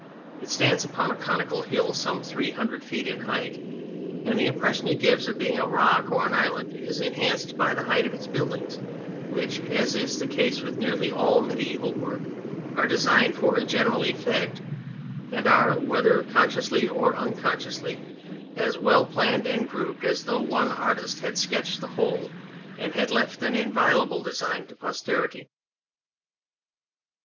It stands upon a conical hill some 300 feet in height, and the impression it gives of being a rock or an island is enhanced by the height of its buildings, which, as is the case with nearly all mediaeval work, are designed for a general effect, and are, whether consciously or unconsciously, as well planned and grouped as though one artist had sketched the whole and had left an inviolable design to posterity.